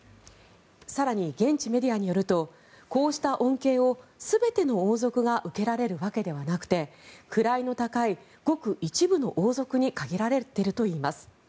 更に、現地メディアによるとこうした恩恵を全ての王族が受けられるわけではなくて位の高い、ごく一部の王族に限られているといいます。